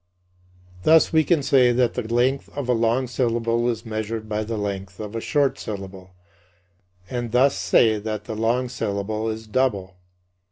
Thus, we can say that the length of a long syllable is measured by the length of a short syllable and thus say that the long syllable is double.